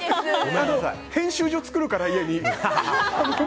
編集所作るから、家に。